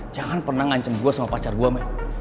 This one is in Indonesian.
jangan pernah ngancem gue sama pacar gue men